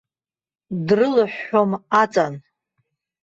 Дрылыҳәҳәом аҵан.